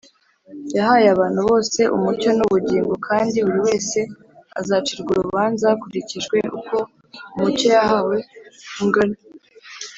Yahaye abantu bose umucyo n’ubugingo, kandi buri wese azacirwa urubanza hakurikijwe uko umucyo yahawe ungana